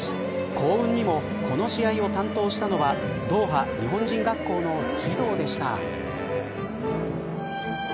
幸運にもこの試合を担当したのはドーハ日本人学校の児童でした。